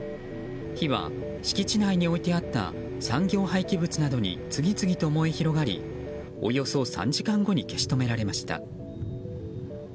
火は敷地内に置いてあった産業廃棄物などに次々と燃え広がりおよそ３時間後に消し止められました。